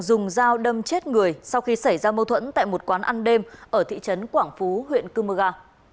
dùng dao đâm chết người sau khi xảy ra mâu thuẫn tại một quán ăn đêm ở thị trấn quảng phú huyện cư mơ ga